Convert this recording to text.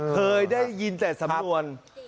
เคยได้ยินแต่สำนวน